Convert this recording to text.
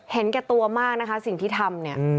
เห็นแก่ตัวมากนะคะสิ่งที่ทำเนี่ย